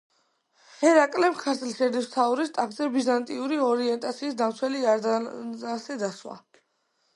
ჰერაკლემ ქართლის ერისმთავრის ტახტზე ბიზანტიური ორიენტაციის დამცველი ადარნასე დასვა.